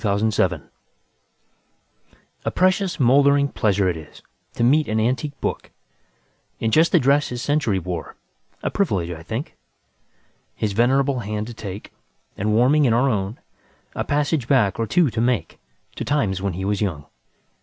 Part One: Life X A PRECIOUS, mouldering pleasure 't isTo meet an antique book, In just the dress his century wore;A privilege, I think, His venerable hand to take, And warming in our own,A passage back, or two, to makeTo times when he was young.